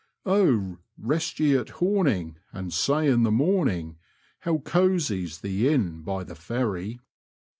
Oh ! rest ye at Homing, And say in the morning How oosy's the inn by the Ferry."